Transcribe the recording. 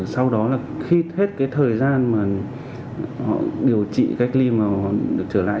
sau đó là khi hết thời gian mà họ điều trị cách ly mà họ được trở lại